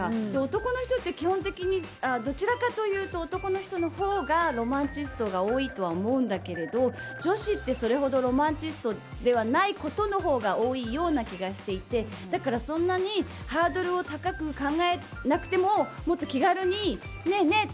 男の人って基本的にどちらかというと男の人のほうがロマンチストが多いとは思うんだけれど女子って、それほどロマンチストではないことのほうが多いような気がしていてだから、そんなにハードルを高く考えなくてももっと気軽にねえねえ！